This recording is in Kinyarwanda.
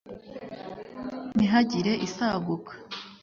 Ntihagire isaguka.